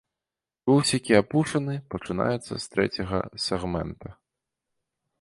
Вусікі апушаны пачынаючы з трэцяга сегмента.